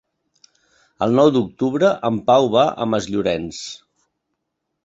El nou d'octubre en Pau va a Masllorenç.